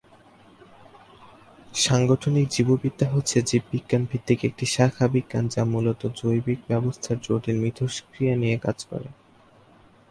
সাংগঠনিক জীববিদ্যা হচ্ছে জীববিজ্ঞান ভিত্তিক একটি শাখা বিজ্ঞান যা মূলতঃ জৈবিক ব্যবস্থার জটিল মিথস্ক্রিয়া নিয়ে কাজ করে।